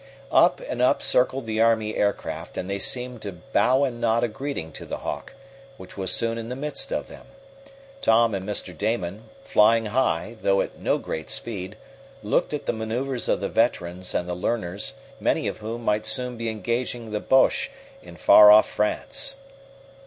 Up and up circled the army aircraft, and they seemed to bow and nod a greeting to the Hawk, which was soon in the midst of them. Tom and Mr. Damon, flying high, though at no great speed, looked at the maneuvers of the veterans and the learners many of whom might soon be engaging the Boches in far off France.